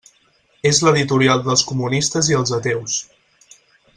És l'editorial dels comunistes i els ateus.